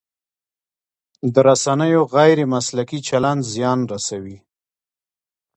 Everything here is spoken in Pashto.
د رسنیو غیر مسلکي چلند زیان رسوي.